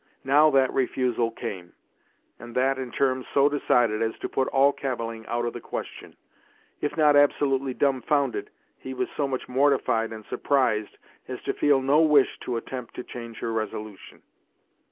Now that the refusal came, and that in terms so decided as to put all cavilling out of the question; if not absolutely dumbfounded, he was so much mortified and surprised as to feel no wish to attempt to change her resolution.